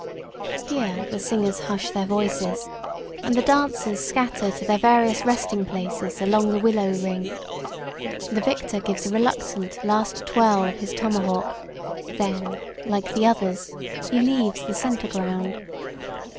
Here the singers hush their voices, and the dancers scatter to their various resting places along the willow ring. The victor gives a reluctant last twirl of his tomahawk, then, like the others, he leaves the center ground.